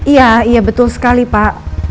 iya iya betul sekali pak